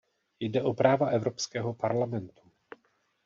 Jde o práva Evropského parlamentu.